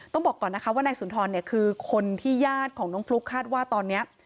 ต้องบอกก่อนนะคะว่านายสุนทรเนี่ยคือคนที่ญาติของน้องฟลุ๊กคาดว่าตอนนี้